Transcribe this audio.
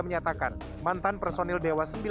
menyatakan mantan personil dewa